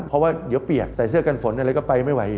เพราะว่าเดี๋ยวเปียกใส่เสื้อกันฝนอะไรก็ไปไม่ไหว